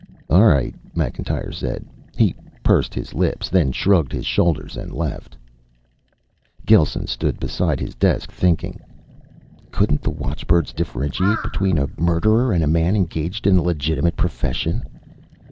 "All right," Macintyre said. He pursed his lips, then shrugged his shoulders and left. Gelsen stood beside his desk, thinking. Couldn't the watchbirds differentiate between a murderer and a man engaged in a legitimate profession?